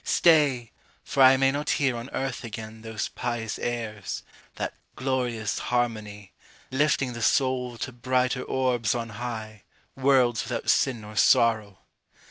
Stay, for I may not hear on earth again Those pious airs that glorious harmony; Lifting the soul to brighter orbs on high, Worlds without sin or sorrow!